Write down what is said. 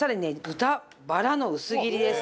豚バラの薄切りですね。